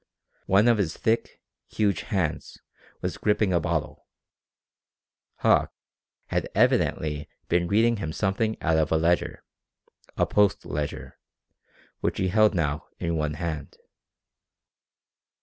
One of his thick, huge hands was gripping a bottle. Hauck had evidently been reading him something out of a ledger, a Post ledger, which he held now in one hand.